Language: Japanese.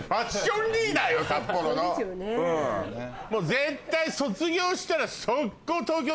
絶対卒業したら。